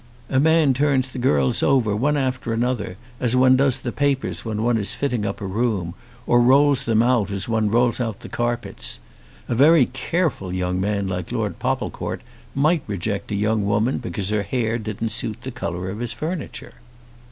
A man turns the girls over one after another as one does the papers when one is fitting up a room, or rolls them out as one rolls out the carpets. A very careful young man like Lord Popplecourt might reject a young woman because her hair didn't suit the colour of his furniture."